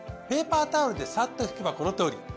ペーパータオルでサッと拭けばこのとおり。